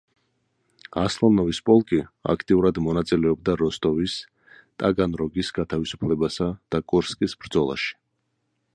ასლანოვის პოლკი აქტიურად მონაწილეობდა როსტოვის, ტაგანროგის განთავისუფლებასა და კურსკის ბრძოლაში.